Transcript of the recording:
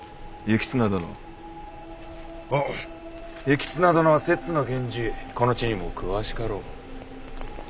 行綱殿は摂津の源氏この地にも詳しかろう。